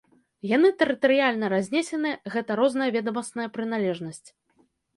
Яны тэрытарыяльна разнесеныя, гэта розная ведамасная прыналежнасць.